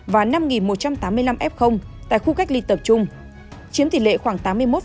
và năm một trăm tám mươi năm f tại khu cách ly tập trung chiếm tỷ lệ khoảng tám mươi một